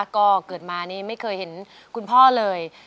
ก็เกิดมานี่ไม่เคยเห็นคุณพ่อเลย